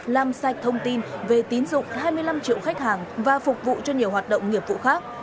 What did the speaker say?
làm sạch thông tin về tín dụng hai mươi năm triệu khách hàng và phục vụ cho nhiều hoạt động nghiệp vụ khác